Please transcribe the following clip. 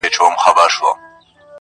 د خدای دوستان تېر سوي -